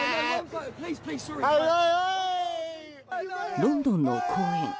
ロンドンの公園。